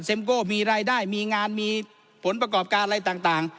บริษัทเซ็มโกมีรายได้มีงานมีผลประกอบการอะไรต่าง